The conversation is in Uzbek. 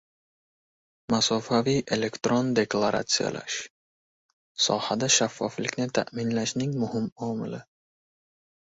Masofaviy elektron deklaratsiyalash – sohada shaffoflikni ta’minlashning muhim omili